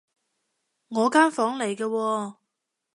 我間房嚟㗎喎